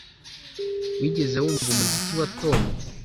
Wigeze wumva umuziki wa Tom